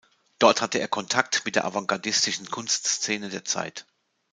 Dort hatte er Kontakt mit der avantgardistischen Kunstszene der Zeit.